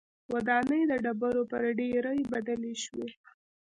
ودانۍ د ډبرو پر ډېرۍ بدلې شوې.